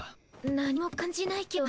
何も感じないけど。